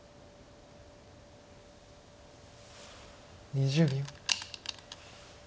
２０秒。